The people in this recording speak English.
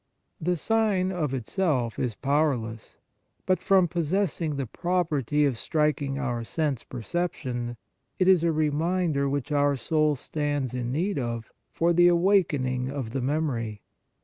The sign of itself is powerless. But, from possessing the property of striking our sense perception, it is a reminder which our soul stands in need of for the awakening of the memory.